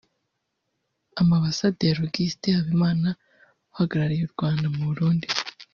Amabasaderi Augustin Habimana uhagarariye u Rwanda mu Burundi